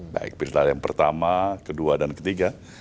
baik pilkada yang pertama kedua dan ketiga